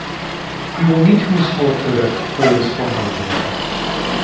You will need to install a codec to play this format of video.